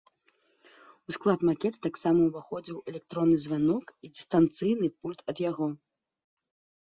У склад макета таксама ўваходзіў электронны званок і дыстанцыйны пульт ад яго.